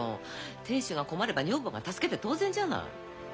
亭主が困れば女房が助けて当然じゃない。